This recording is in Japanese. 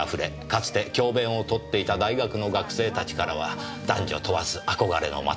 かつて教鞭をとっていた大学の学生たちからは男女問わず憧れの的でした。